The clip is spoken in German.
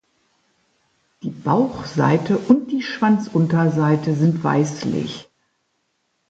Die Bauchseite und die Schwanzunterseite sind weißlich.